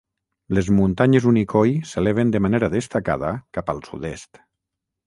Les muntanyes Unicoi s'eleven de manera destacada cap al sud-est.